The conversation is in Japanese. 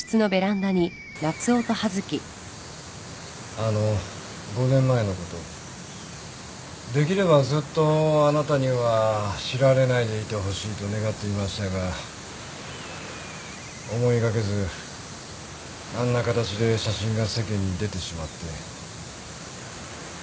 あの５年前のことできればずっとあなたには知られないでいてほしいと願っていましたが思いがけずあんな形で写真が世間に出てしまって。